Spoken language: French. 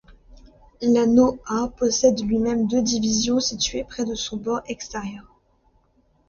L'anneau A possède lui-même deux divisions situées près de son bord extérieur.